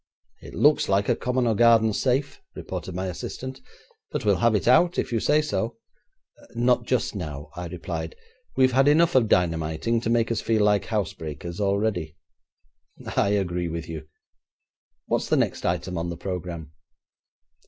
'It looks like a common or garden safe,' reported my assistant, 'but we'll have it out if you say so.' 'Not just now,' I replied; 'we've had enough of dynamiting to make us feel like housebreakers already.' 'I agree with you. What's the next item on the programme?'